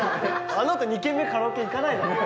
あの後２軒目カラオケ行かないだろ・・